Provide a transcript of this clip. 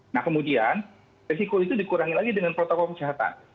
nah kemudian resiko itu dikurangi lagi dengan protokol kesehatan